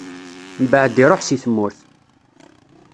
Mbeɛd iṛuḥ si tmurt.